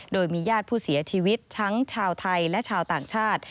โดยมีญาติผู้เสียชีวิตทั้งชาวไทยและชาวต่างชาติ